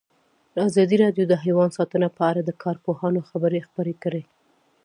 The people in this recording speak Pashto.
ازادي راډیو د حیوان ساتنه په اړه د کارپوهانو خبرې خپرې کړي.